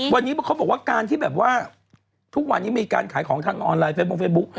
วันนี้เขาบอกว่าการที่แบบว่าทุกวันนี้มีการขายของทางออนไลเฟบงเฟซบุ๊ค